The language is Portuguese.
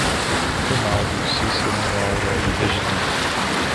Reinaldo, Cícera, Laura e Reginaldo